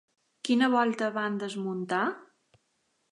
Quina volta van desmuntar?